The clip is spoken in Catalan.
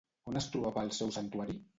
On es trobava el seu santuari?